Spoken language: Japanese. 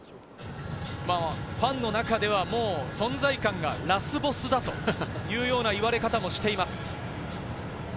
ファンの中では存在感がラスボスだという言われ方もしています。